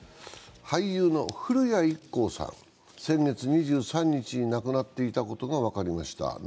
俳優の古谷一行さん、先月２３日に亡くなっていたことが分かりました。